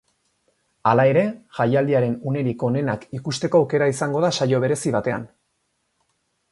Hala ere, jaialdiaren unerik onenak ikusteko aukera izango da saio berezi batean.